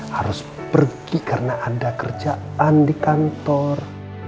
harus pergi karena ada kerjaan di kantor